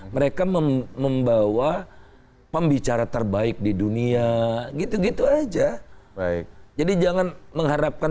mereka membawa pembicara terbaik di dunia gitu gitu aja baik jadi jangan mengharapkan